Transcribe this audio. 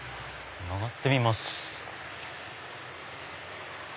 曲がってみます。